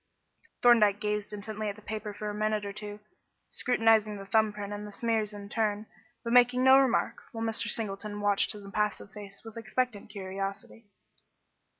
Thorndyke gazed intently at the paper for a minute or two, scrutinising the thumb print and the smears in turn, but making no remark, while Mr. Singleton watched his impassive face with expectant curiosity.